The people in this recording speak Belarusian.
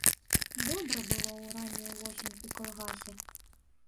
Добра было ў раннюю восень у калгасе.